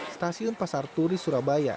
stasiun pasar turi surabaya